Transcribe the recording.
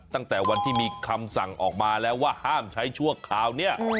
ตั้งแต่วันที่มีคำสั่งออกมาแล้วว่าห้ามใช้ชั่วคราวนี้